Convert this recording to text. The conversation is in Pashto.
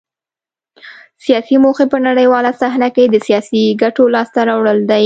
سیاسي موخې په نړیواله صحنه کې د سیاسي ګټو لاسته راوړل دي